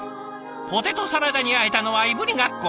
ポテトサラダにあえたのはいぶりがっこ。